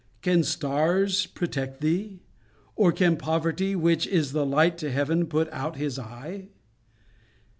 Can stars protect thee? Or can poverty, Which is the light to heaven, put out His eye!